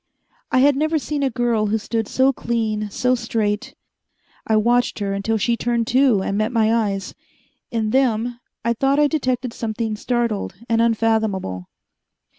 I had never seen a girl who stood so clean, so straight. I watched her until she turned, too, and met my eyes. In them I thought I detected something startled and unfathomable.